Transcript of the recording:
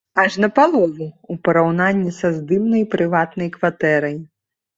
Аж напалову, у параўнанні са здымнай прыватнай кватэрай.